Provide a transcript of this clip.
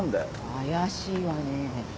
怪しいわね。